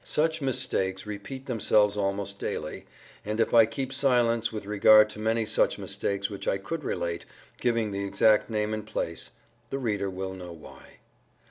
Such "mistakes" repeat themselves almost daily, and if I keep silence with regard to many such mistakes which I could relate, giving the exact name and place, the reader will know why.